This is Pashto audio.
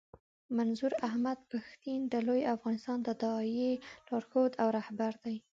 منظور احمد پښتين د لوی افغانستان د داعیې لارښود او رهبر دی.